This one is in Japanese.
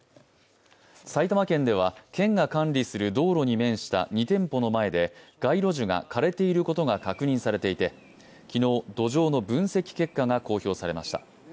埼玉県では県が管理する道路に面した２店舗の前で街路樹が枯れていることが確認されていて、昨日、土壌の分析結果が公表されました。